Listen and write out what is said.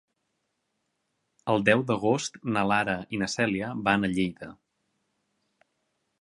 El deu d'agost na Lara i na Cèlia van a Lleida.